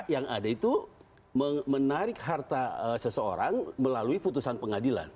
yang ada itu menarik harta seseorang melalui putusan pengadilan